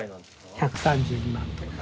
１３２万とか。